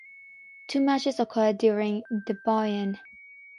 Two matches occurred during the Buy In.